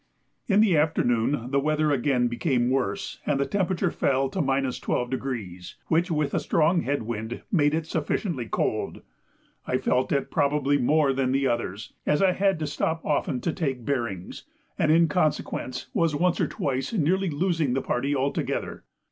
In the afternoon the weather again became worse, and the temperature fell to 12°, which with a strong head wind made it sufficiently cold. I felt it probably more than the others, as I had to stop often to take bearings, and in consequence was once or twice nearly losing the party altogether.